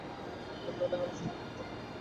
এতে এলাকাবাসী উপকৃত হবে।